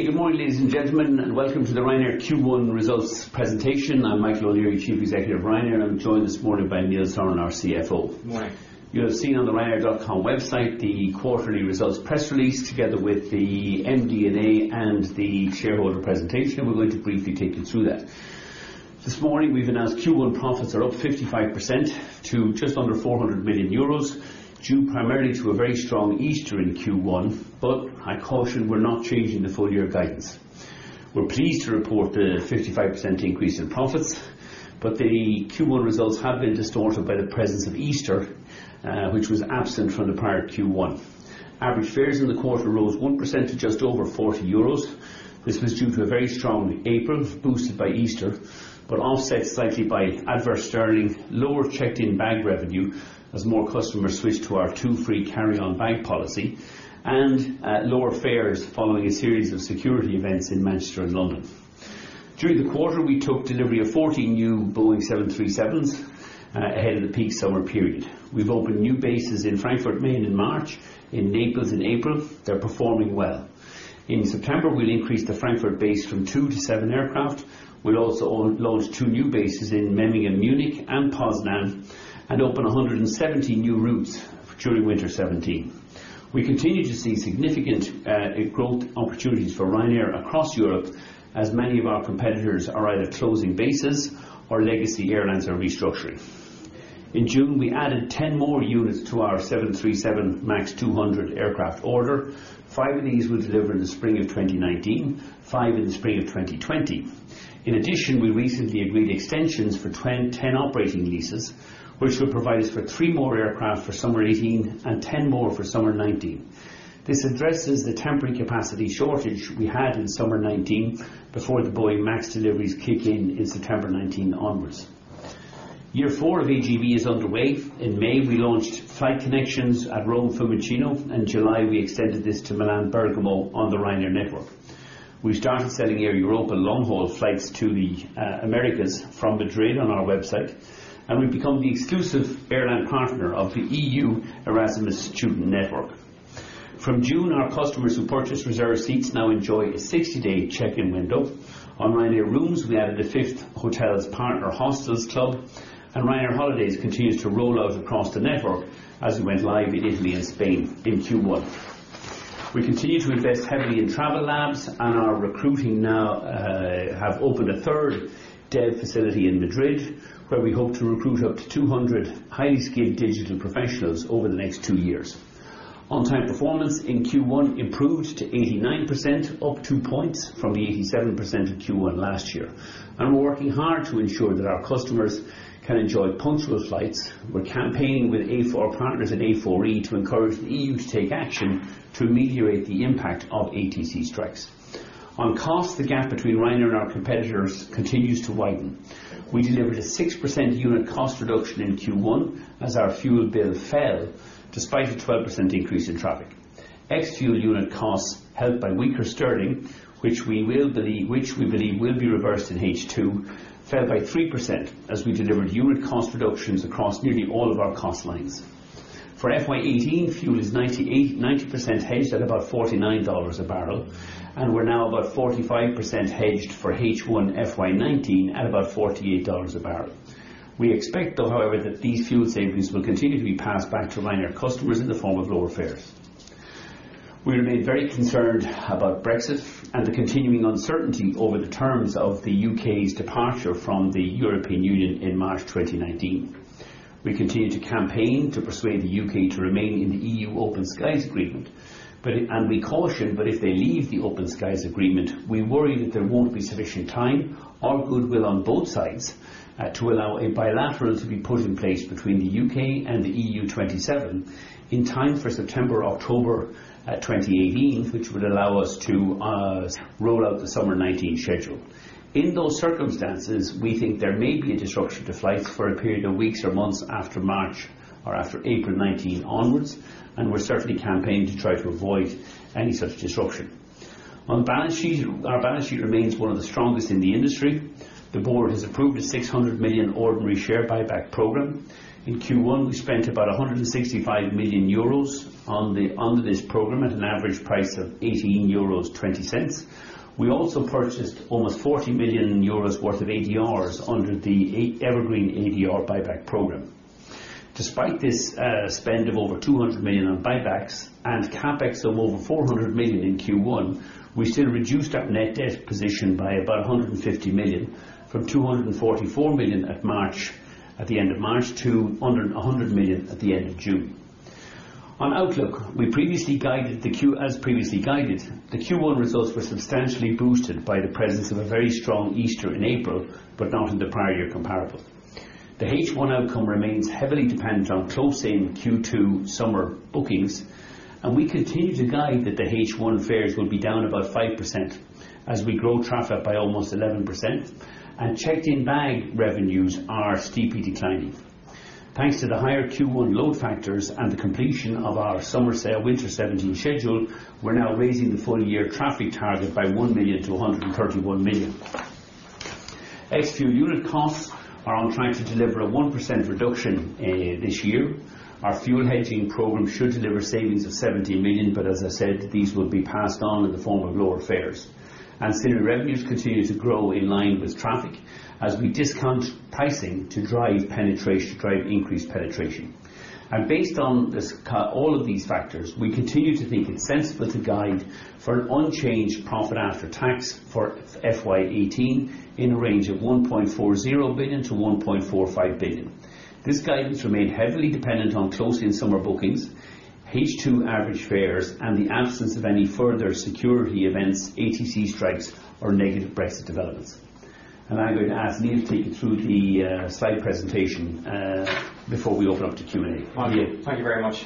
Good morning, ladies and gentlemen, and welcome to the Ryanair Q1 results presentation. I'm Michael O'Leary, Chief Executive of Ryanair, and I'm joined this morning by Neil Sorahan, our CFO. Morning. You have seen on the ryanair.com website the quarterly results press release, together with the MD&A and the shareholder presentation. We're going to briefly take you through that. This morning, we've announced Q1 profits are up 55% to just under 400 million euros, due primarily to a very strong Easter in Q1. I caution we're not changing the full-year guidance. We're pleased to report the 55% increase in profits, but the Q1 results have been distorted by the presence of Easter, which was absent from the prior Q1. Average fares in the quarter rose 1% to just over 40 euros. This was due to a very strong April, boosted by Easter, but offset slightly by adverse sterling, lower checked-in bag revenue as more customers switched to our two free carry-on bag policy, and lower fares following a series of security events in Manchester and London. During the quarter, we took delivery of 14 new Boeing 737s ahead of the peak summer period. We've opened new bases in Frankfurt am Main in March, in Naples in April. They're performing well. In September, we'll increase the Frankfurt base from two to seven aircraft. We'll also launch two new bases in Memmingen, Munich, and Poznan, and open 170 new routes during winter 2017. We continue to see significant growth opportunities for Ryanair across Europe, as many of our competitors are either closing bases or legacy airlines are restructuring. In June, we added 10 more units to our 737 MAX 200 aircraft order. Five of these we'll deliver in the spring of 2019, five in the spring of 2020. In addition, we recently agreed extensions for 10 operating leases, which will provide us with three more aircraft for summer 2018 and 10 more for summer 2019. This addresses the temporary capacity shortage we had in summer 2019 before the Boeing MAX deliveries kick in September 2019 onwards. Year four of AGB is underway. In May, we launched flight connections at Rome, Fiumicino. In July, we extended this to Milan, Bergamo on the Ryanair network. We've started selling Air Europa long-haul flights to the Americas from Madrid on our website, and we've become the exclusive airline partner of the EU Erasmus Student Network. From June, our customers who purchased reserved seats now enjoy a 60-day check-in window. On Ryanair Rooms, we added a fifth hotels partner HostelsClub, and Ryanair Holidays continues to roll out across the network as we went live in Italy and Spain in Q1. We continue to invest heavily in Ryanair Labs and are recruiting now, have opened a third dev facility in Madrid, where we hope to recruit up to 200 highly skilled digital professionals over the next two years. On-time performance in Q1 improved to 89%, up two points from the 87% in Q1 last year. We are working hard to ensure that our customers can enjoy punctual flights. We are campaigning with our partners at A4E to encourage the EU to take action to ameliorate the impact of ATC strikes. On cost, the gap between Ryanair and our competitors continues to widen. We delivered a 6% unit cost reduction in Q1 as our fuel bill fell despite a 12% increase in traffic. Ex-fuel unit costs helped by weaker sterling, which we believe will be reversed in H2, fell by 3% as we delivered unit cost reductions across nearly all of our cost lines. For FY 2018, fuel is 90% hedged at about $49 a barrel, and we are now about 45% hedged for H1 FY 2019 at about $48 a barrel. We expect, though, however, that these fuel savings will continue to be passed back to Ryanair customers in the form of lower fares. We remain very concerned about Brexit and the continuing uncertainty over the terms of the U.K.'s departure from the European Union in March 2019. We continue to campaign to persuade the U.K. to remain in the EU Open Skies agreement. We caution that if they leave the Open Skies agreement, we worry that there won't be sufficient time or goodwill on both sides to allow a bilateral to be put in place between the U.K. and the EU 27 in time for September or October 2018, which would allow us to roll out the summer 2019 schedule. In those circumstances, we think there may be a disruption to flights for a period of weeks or months after March or after April 2019 onwards, and we are certainly campaigning to try to avoid any such disruption. On balance sheet, our balance sheet remains one of the strongest in the industry. The board has approved a 600 million ordinary share buyback program. In Q1, we spent about 165 million euros under this program at an average price of 18.20 euros. We also purchased almost 40 million euros worth of ADRs under the Evergreen ADR buyback program. Despite this spend of over 200 million on buybacks and CapEx of over 400 million in Q1, we still reduced our net debt position by about 150 million from 244 million at the end of March to 94 million at the end of June. On outlook, as previously guided, the Q1 results were substantially boosted by the presence of a very strong Easter in April, but not in the prior year comparable. The H1 outcome remains heavily dependent on close-in Q2 summer bookings, and we continue to guide that the H1 fares will be down about 5% as we grow traffic by almost 11%, and checked-in bag revenues are steeply declining. Thanks to the higher Q1 load factors and the completion of our summer sale winter 2017 schedule, we're now raising the full-year traffic target by 1 million to 131 million. Ex fuel unit costs are on track to deliver a 1% reduction this year. Our fuel hedging program should deliver savings of 70 million, As I said, these will be passed on in the form of lower fares. Ancillary revenues continue to grow in line with traffic, as we discount pricing to drive increased penetration. Based on all of these factors, we continue to think it's sensible to guide for an unchanged profit after tax for FY 2018 in a range of 1.40 billion-1.45 billion. This guidance remains heavily dependent on close-in summer bookings, H2 average fares, and the absence of any further security events, ATC strikes, or negative Brexit developments. I'm going to ask Neil to take you through the slide presentation before we open up to Q&A. Thank you. Thank you very much.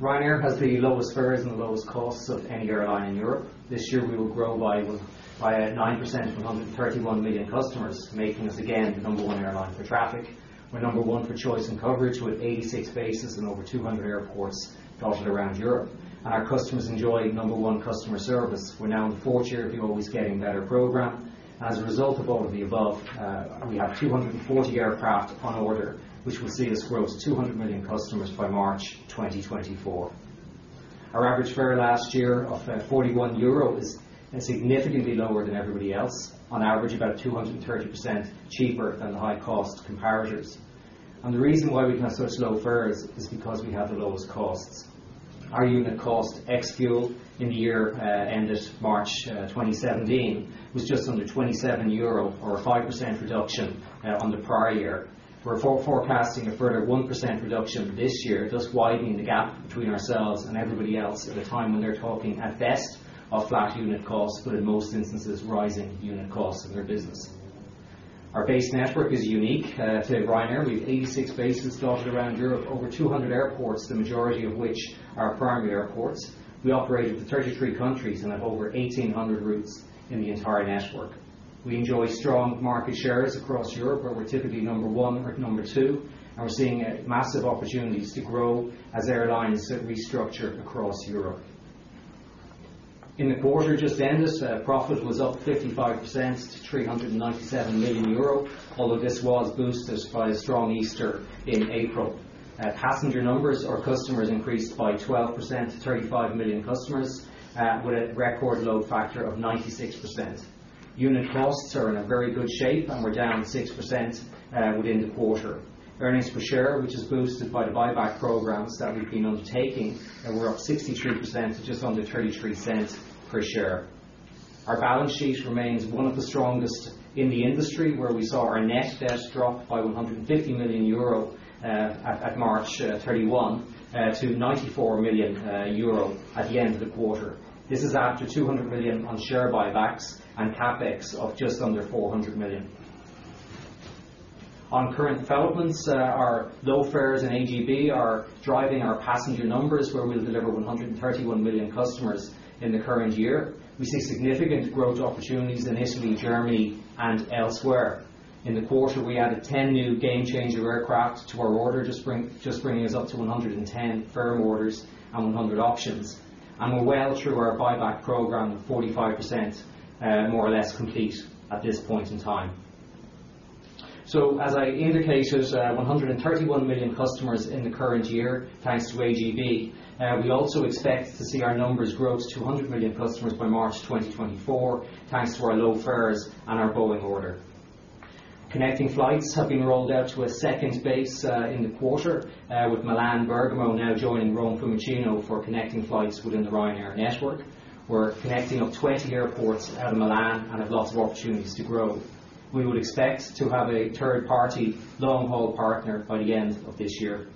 Ryanair has the lowest fares and the lowest costs of any airline in Europe. This year we will grow by 9% to 131 million customers, making us again the number one airline for traffic. We're number one for choice and coverage, with 86 bases in over 200 airports dotted around Europe. Our customers enjoy number one customer service. We're now in the fourth year of the Always Getting Better program. As a result of all of the above, we have 240 aircraft on order, which will see us grow to 200 million customers by March 2024. Our average fare last year of 41 euro is significantly lower than everybody else, on average about 230% cheaper than the high-cost comparators. The reason why we can have such low fares is because we have the lowest costs. Our unit cost, ex fuel, in the year ended March 2017 was just under 27 euro, or a 5% reduction on the prior year. We're forecasting a further 1% reduction this year, thus widening the gap between ourselves and everybody else at a time when they're talking, at best, of flat unit costs, but in most instances, rising unit costs in their business. Our base network is unique to Ryanair. We have 86 bases dotted around Europe, over 200 airports, the majority of which are primary airports. We operate into 33 countries and have over 1,800 routes in the entire network. We enjoy strong market shares across Europe, where we're typically number one or number two, We're seeing massive opportunities to grow as airlines restructure across Europe. In the quarter just ended, profit was up 55% to 397 million euro, although this was boosted by a strong Easter in April. Passenger numbers or customers increased by 12% to 35 million customers with a record load factor of 96%. Unit costs are in a very good shape. We're down 6% within the quarter. Earnings per share, which is boosted by the buyback programs that we've been undertaking, we're up 63% to just under 0.33 per share. Our balance sheet remains one of the strongest in the industry, where we saw our net debt drop by 150 million euro at March 31 to 94 million euro at the end of the quarter. This is after 200 million on share buybacks and CapEx of just under 400 million. On current developments, our low fares and AGB are driving our passenger numbers, where we'll deliver 131 million customers in the current year. We see significant growth opportunities in Italy, Germany, and elsewhere. In the quarter, we added 10 new Gamechanger aircraft to our order, just bringing us up to 110 firm orders and 100 options. We're well through our buyback program, with 45%, more or less, complete at this point in time. As I indicated, 131 million customers in the current year, thanks to AGB. We also expect to see our numbers grow to 200 million customers by March 2024, thanks to our low fares and our Boeing order. Connecting flights have been rolled out to a second base in the quarter, with Milan Bergamo now joining Rome Fiumicino for connecting flights within the Ryanair network. We're connecting up 20 airports out of Milan and have lots of opportunities to grow. We would expect to have a third-party long-haul partner by the end of this year.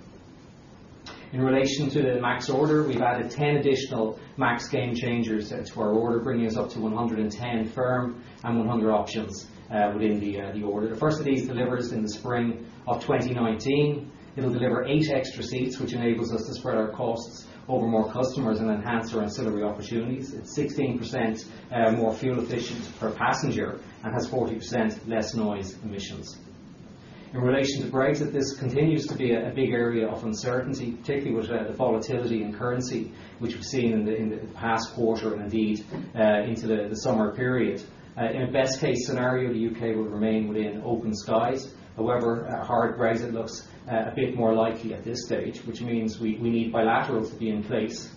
In relation to the MAX order, we've added 10 additional MAX Gamechangers to our order, bringing us up to 110 firm and 100 options within the order. The first of these delivers in the spring of 2019. It'll deliver eight extra seats, which enables us to spread our costs over more customers and enhance our ancillary opportunities. It's 16% more fuel efficient per passenger and has 40% less noise emissions. In relation to Brexit, this continues to be a big area of uncertainty, particularly with the volatility in currency, which we've seen in the past quarter, and indeed, into the summer period. In a best case scenario, the U.K. will remain within Open Skies. A hard Brexit looks a bit more likely at this stage, which means we need bilaterals to be in place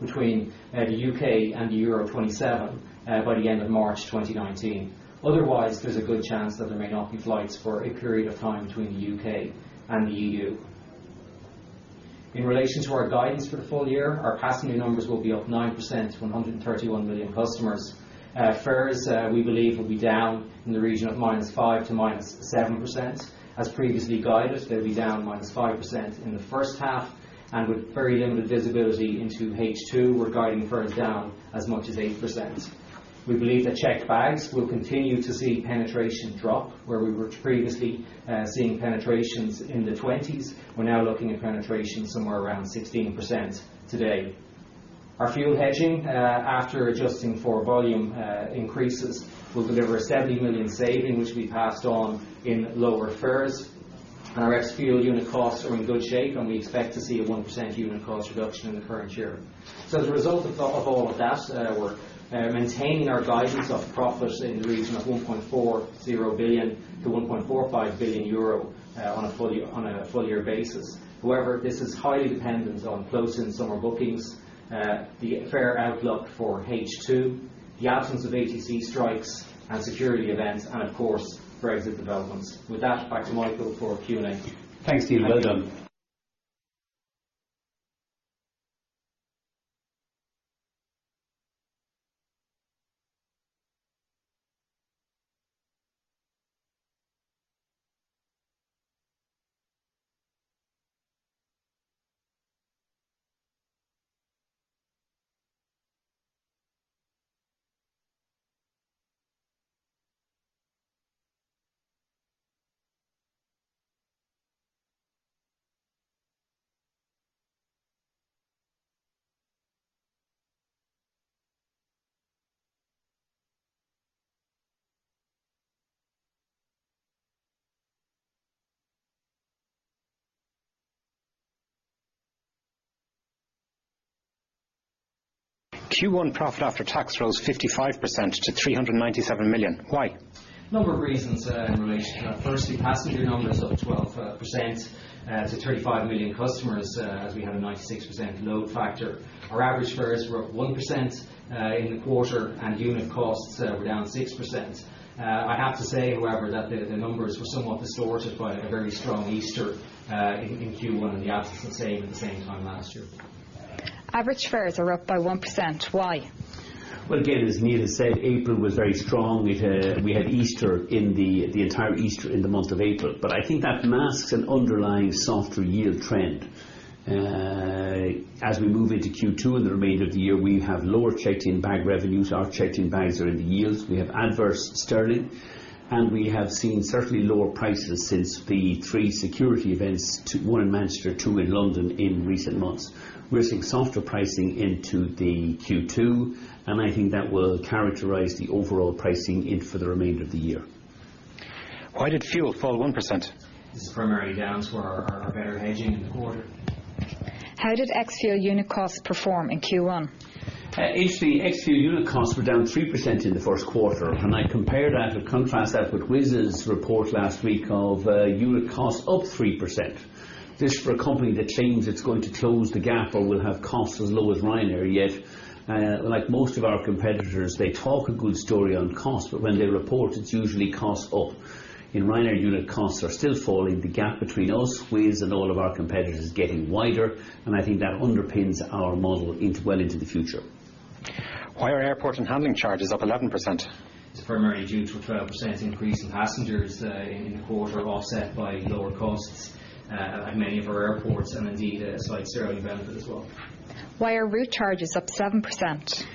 between the U.K. and the EU 27 by the end of March 2019. There's a good chance that there may not be flights for a period of time between the U.K. and the EU. In relation to our guidance for the full year, our passenger numbers will be up 9% to 131 million customers. Fares, we believe, will be down in the region of -5% to -7%. As previously guided, they'll be down -5% in the first half, and with very limited visibility into H2, we're guiding fares down as much as 8%. We believe that checked bags will continue to see penetration drop. Where we were previously seeing penetrations in the 20s, we're now looking at penetration somewhere around 16% today. Our fuel hedging, after adjusting for volume increases, will deliver a 70 million saving, which we passed on in lower fares. Our ex-fuel unit costs are in good shape, and we expect to see a 1% unit cost reduction in the current year. As a result of all of that, we're maintaining our guidance of profit in the region of 1.40 billion-1.45 billion euro on a full year basis. However, this is highly dependent on close-in summer bookings, the fare outlook for H2, the absence of ATC strikes and security events, and of course, Brexit developments. With that, back to Michael for Q&A. Thanks, Neil. Well done. Thank you. Q1 profit after tax rose 55% to 397 million. Why? Number of reasons in relation to that. Firstly, passenger numbers up 12% to 35 million customers, as we had a 96% load factor. Our average fares were up 1% in the quarter, unit costs were down 6%. I have to say, however, that the numbers were somewhat distorted by a very strong Easter in Q1, and the absence of same at the same time last year. Average fares are up by 1%. Why? Well, again, as Neil has said, April was very strong. We had the entire Easter in the month of April. I think that masks an underlying softer yield trend. As we move into Q2 and the remainder of the year, we have lower checked-in bag revenues. Our checked-in bags are in the yields. We have adverse sterling, we have seen certainly lower prices since the three security events, one in Manchester, two in London in recent months. We're seeing softer pricing into the Q2, I think that will characterize the overall pricing in for the remainder of the year. Why did fuel fall 1%? This is primarily down to our better hedging in the quarter. How did ex-fuel unit costs perform in Q1? Ex-fuel unit costs were down 3% in the first quarter. When I compare that or contrast that with Wizz's report last week of unit cost up 3%, this for a company that claims it's going to close the gap or will have costs as low as Ryanair. Yet, like most of our competitors, they talk a good story on cost, but when they report, it's usually cost up. In Ryanair, unit costs are still falling. The gap between us, Wizz, and all of our competitors is getting wider, and I think that underpins our model well into the future. Why are airport and handling charges up 11%? It's primarily due to a 12% increase in passengers in the quarter, offset by lower costs at many of our airports and indeed a slight sterling benefit as well. Why are route charges up 7%?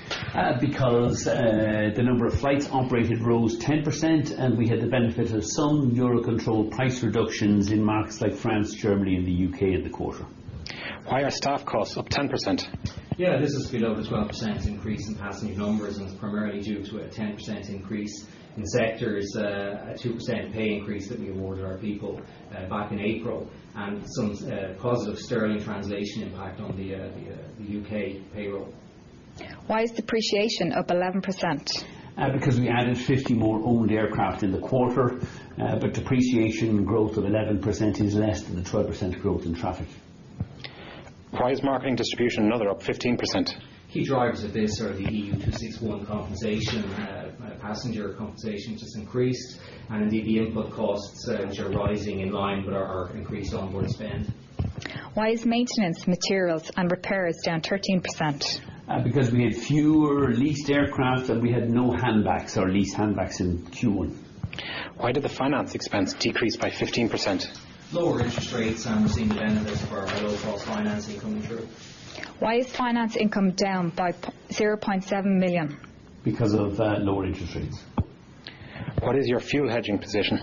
Because the number of flights operated rose 10% and we had the benefit of some Eurocontrol price reductions in markets like France, Germany, and the U.K. in the quarter. Why are staff costs up 10%? Yeah. This is below the 12% increase in passenger numbers, and it's primarily due to a 10% increase in sectors, a 2% pay increase that we awarded our people back in April, and some positive GBP translation impact on the U.K. payroll. Why is depreciation up 11%? Because we added 50 more owned aircraft in the quarter. Depreciation growth of 11% is less than the 12% growth in traffic. Why is marketing, distribution, and other up 15%? Key drivers of this are the EU 261 compensation, passenger compensation just increased, and indeed the input costs which are rising in line with our increased onboard spend. Why is maintenance materials and repairs down 13%? We had fewer leased aircraft, and we had no handbacks or lease handbacks in Q1. Why did the finance expense decrease by 15%? Lower interest rates, and we're seeing the benefit of our low cost financing coming through. Why is finance income down by 0.7 million? Because of lower interest rates. What is your fuel hedging position?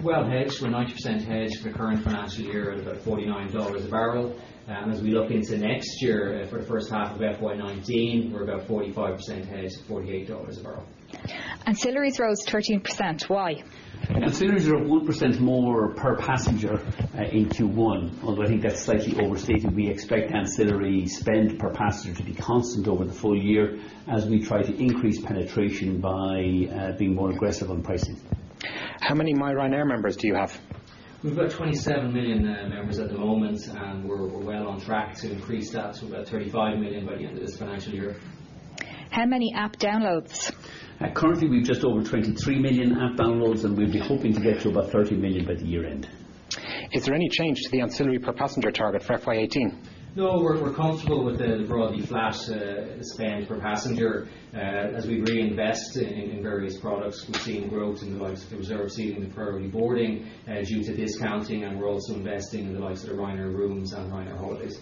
Well hedged. We're 90% hedged for the current financial year at about $49 a barrel. As we look into next year, for the first half of FY 2019, we're about 45% hedged, $48 a barrel. Ancillaries rose 13%. Why? Ancillaries are up 1% more per passenger in Q1, although I think that's slightly overstated. We expect ancillary spend per passenger to be constant over the full year as we try to increase penetration by being more aggressive on pricing. How many myRyanair members do you have? We've got 27 million members at the moment. We're well on track to increase that to about 35 million by the end of this financial year. How many app downloads? Currently, we've just over 23 million app downloads. We'd be hoping to get to about 30 million by the year end. Is there any change to the ancillary per passenger target for FY 2018? No, we're comfortable with the broadly flat spend per passenger. As we reinvest in various products, we've seen growth in the likes of reserved seating and priority boarding due to discounting, and we're also investing in the likes of Ryanair Rooms and Ryanair Holidays.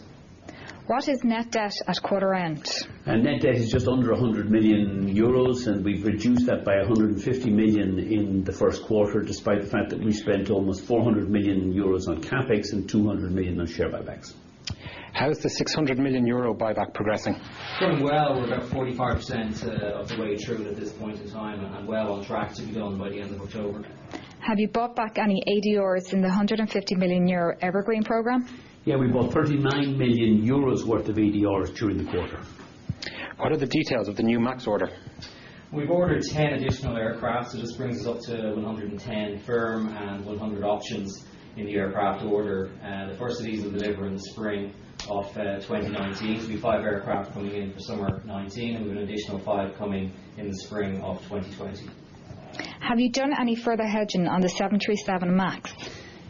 What is net debt at quarter end? Net debt is just under 100 million euros, and we've reduced that by 150 million in the first quarter, despite the fact that we spent almost 400 million euros on CapEx and 200 million on share buybacks. How is the 600 million euro buyback progressing? It's going well. We're about 45% of the way through at this point in time and well on track to be done by the end of October. Have you bought back any ADRs in the 150 million euro evergreen program? Yeah, we bought 39 million euros worth of ADRs during the quarter. What are the details of the new MAX order? We've ordered 10 additional aircraft, so this brings us up to 110 firm and 100 options in the aircraft order. The first of these will deliver in the spring of 2019. It'll be five aircraft coming in for summer 2019, and we've an additional five coming in the spring of 2020. Have you done any further hedging on the 737 MAX?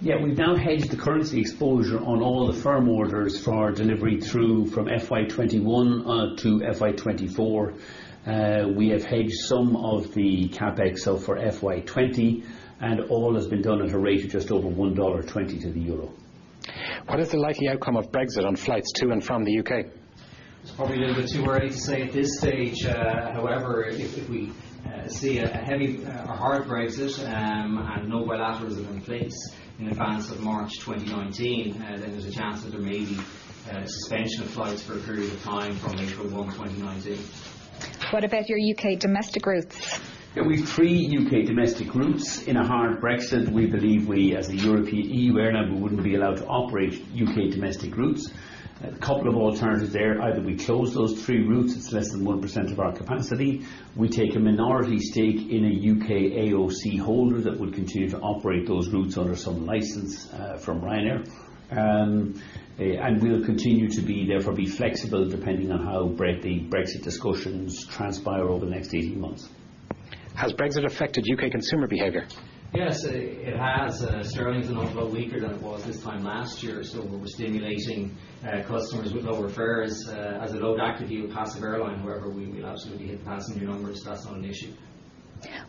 We've now hedged the currency exposure on all the firm orders for our delivery through from FY 2021 to FY 2024. We have hedged some of the CapEx for FY 2020, and all has been done at a rate of just over $1.20 to the euro. What is the likely outcome of Brexit on flights to and from the U.K.? It's probably a little bit too early to say at this stage. If we see a heavy or hard Brexit, and no bilaterals are in place in advance of March 2019, there's a chance that there may be suspension of flights for a period of time from April 1, 2019. What about your U.K. domestic routes? We've three U.K. domestic routes. In a hard Brexit, we believe we, as a European airline, we wouldn't be allowed to operate U.K. domestic routes. A couple of alternatives there. Either we close those three routes, it's less than 1% of our capacity. We take a minority stake in a U.K. AOC holder that would continue to operate those routes under some license from Ryanair. We'll continue to therefore be flexible depending on how the Brexit discussions transpire over the next 18 months. Has Brexit affected U.K. consumer behavior? Yes, it has. Sterling's an awful lot weaker than it was this time last year, so we're stimulating customers with lower fares, as a load activity would be across the airline, however we will absolutely hit passenger numbers. That's not an issue.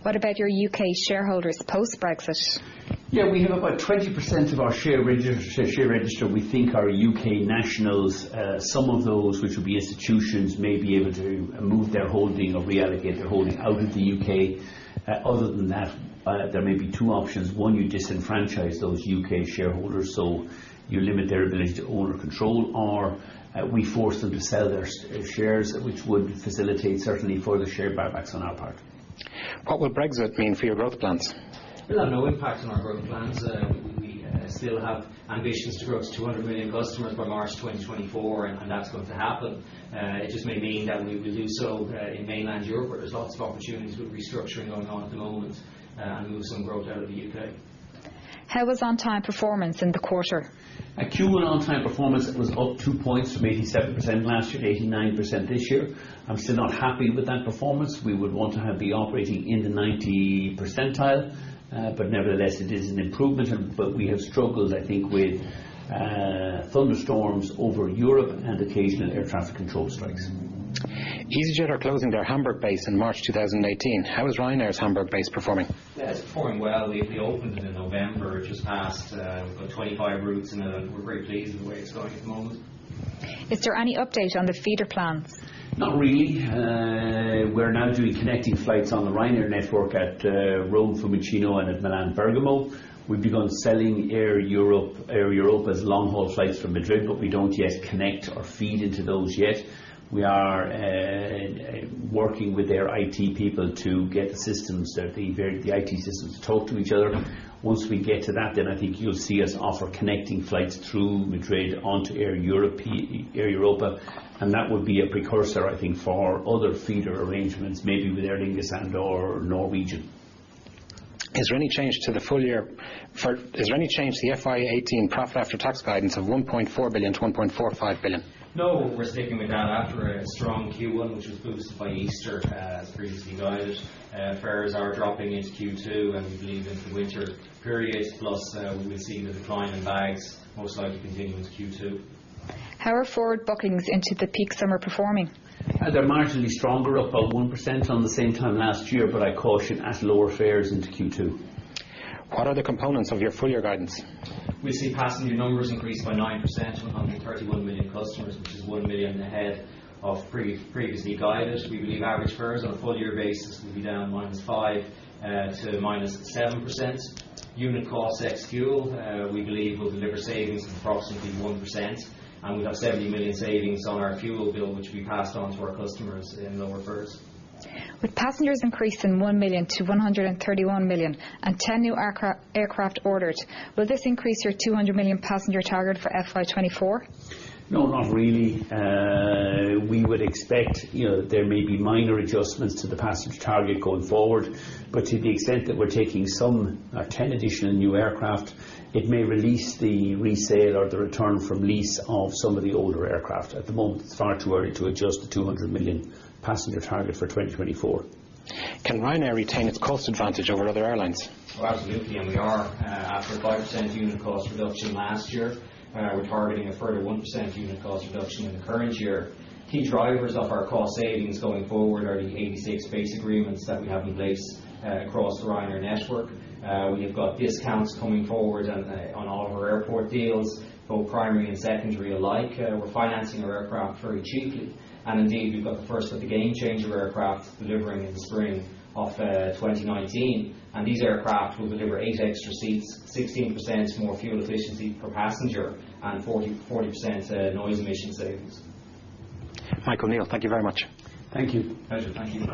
What about your U.K. shareholders post-Brexit? Yeah, we have about 20% of our share register we think are U.K. nationals. Some of those, which will be institutions, may be able to move their holding or reallocate their holding out of the U.K. Other than that, there may be two options. One, you disenfranchise those U.K. shareholders, so you limit their ability to own or control. We force them to sell their shares, which would facilitate certainly further share buybacks on our part. What will Brexit mean for your growth plans? It'll have no impact on our growth plans. We still have ambitions to grow to 200 million customers by March 2024, that's going to happen. It just may mean that we will do so in mainland Europe, where there's lots of opportunities with restructuring going on at the moment, and move some growth out of the U.K. How was on time performance in the quarter? Q1 on time performance was up two points from 87% last year to 89% this year. I'm still not happy with that performance. We would want to have the operating in the 90 percentile. Nevertheless, it is an improvement. We have struggled, I think, with thunderstorms over Europe and occasional air traffic control strikes. EasyJet are closing their Hamburg base in March 2018. How is Ryanair's Hamburg base performing? It's performing well. We opened it in November just past. We've got 25 routes, and we're very pleased with the way it's going at the moment. Is there any update on the feeder plans? Not really. We're now doing connecting flights on the Ryanair network at Rome, Fiumicino, and at Milan Bergamo. We've begun selling Air Europa's long-haul flights from Madrid, but we don't yet connect or feed into those yet. We are working with their IT people to get the IT systems to talk to each other. Once we get to that, I think you'll see us offer connecting flights through Madrid onto Air Europa, and that would be a precursor, I think, for other feeder arrangements, maybe with Aer Lingus and/or Norwegian. Is there any change to the FY 2018 profit after tax guidance of 1.4 billion-1.45 billion? We're sticking with that after a strong Q1, which was boosted by Easter as previously guided. Fares are dropping into Q2, and we believe into the winter period. We will see the decline in bags most likely continue into Q2. How are forward bookings into the peak summer performing? They're marginally stronger, up about 1% on the same time last year. I caution at lower fares into Q2. What are the components of your full year guidance? We see passenger numbers increase by 9%, 131 million customers, which is 1 million ahead of previously guided. We believe average fares on a full year basis will be down -5% to -7%. Unit cost ex fuel, we believe will deliver savings of approximately 1%, and we'd have 70 million savings on our fuel bill, which will be passed on to our customers in lower fares. With passengers increasing 1 million to 131 million and 10 new aircraft ordered, will this increase your 200 million passenger target for FY 2024? No, not really. We would expect there may be minor adjustments to the passenger target going forward, but to the extent that we're taking some 10 additional new aircraft, it may release the resale or the return from lease of some of the older aircraft. At the moment, it's far too early to adjust the 200 million passenger target for 2024. Can Ryanair retain its cost advantage over other airlines? Absolutely, we are. After a 5% unit cost reduction last year, we're targeting a further 1% unit cost reduction in the current year. Key drivers of our cost savings going forward are the 86 base agreements that we have in place across the Ryanair network. We have got discounts coming forward on all of our airport deals, both primary and secondary alike. We're financing our aircraft very cheaply. Indeed, we've got the first of the Gamechanger aircraft delivering in the spring of 2019. These aircraft will deliver eight extra seats, 16% more fuel efficiency per passenger, and 40% noise emission savings. Michael O'Leary, thank you very much. Thank you. Pleasure. Thank you.